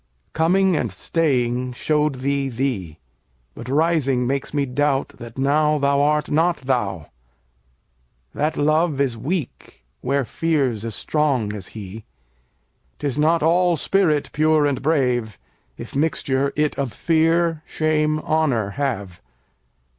Coming and staying show'd thee thee; But rising makes me doubt that nowThou art not thou. That Love is weak where Fear's as strong as he;'Tis not all spirit pure and brave, If mixture it of Fear, Shame, Honour have.